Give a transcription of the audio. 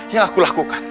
yang aku lakukan